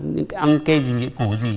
những cái ăn kèm những cái củ gì